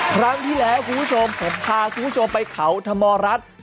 ครั้งที่แล้วคุณผู้ชมผมพาคุณผู้ชมไปเขาธรรมรัฐ